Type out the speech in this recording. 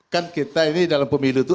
kan kita ini dalam pemilu itu